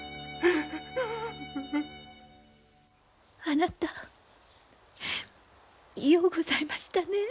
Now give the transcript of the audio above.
あなたようございましたね。